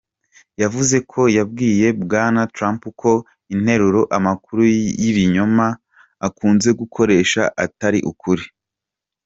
Yavuze ko yabwiye Bwana Trump ko interuro "amakuru y'ibinyoma" akunze gukoresha "atari ukuri".